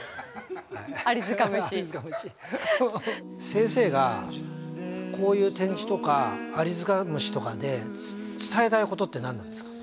先生がこういう展示とかアリヅカムシとかで伝えたいことって何なんですか？